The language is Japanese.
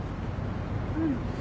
うん。